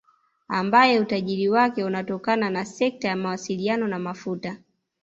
Ambaye utajiri wake unatokana na sekta ya mawasiliano na mafuta